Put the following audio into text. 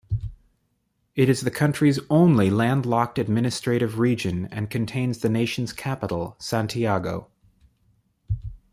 It is the country's only landlocked administrative region and contains the nation's capital, Santiago.